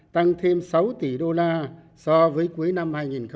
tăng thêm sáu tỷ đô la so với cuối năm hai nghìn một mươi tám